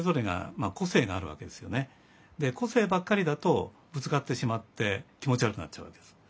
個性ばっかりだとぶつかってしまって気持ち悪くなっちゃうわけです。